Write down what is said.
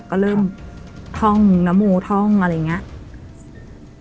ก็เริ่มท่องนโมท่องอะไรอย่างนี้